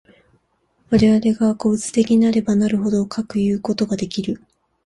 我々が個物的なればなるほど、かくいうことができる。